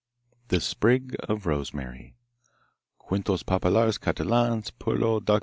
The Sprig of Rosemary Cuentos Populars Catalans, per lo Dr. D.